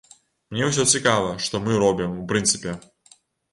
Мне ўсё цікава, што мы робім, у прынцыпе.